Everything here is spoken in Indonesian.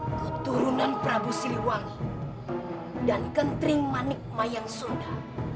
keturunan prabu siliwangi dan kentring manikmayang sunda